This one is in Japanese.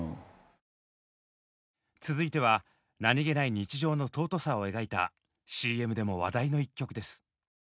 続いては何気ない暮らしの尊さを描いたＣＭでも話題の一曲です。